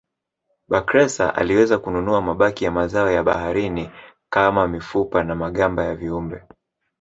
Bakhresa aliweza kununua mabaki ya mazao ya baharini kama mifupa na magamba ya viumbe